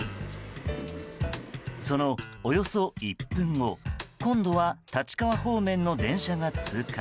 そのおよそ１分後今度は立川方面の電車が通過。